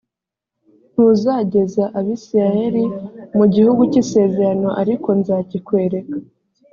ntuzageza abisirayeli mu gihugu cy isezerano ariko nzakikwereka